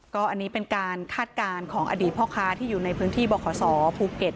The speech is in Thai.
ก็อันนี้เป็นการคาดการณ์ของอดีตพ่อค้าที่อยู่ในพื้นที่บขศภูเก็ต